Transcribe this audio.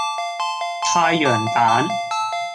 太陽蛋